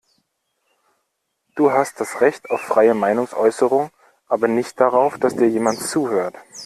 Du hast das Recht auf freie Meinungsäußerung, aber nicht darauf, dass dir jemand zuhört.